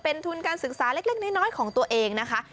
เป็นทุนการศึกษาเล็กน้อยของตัวเองนะคะ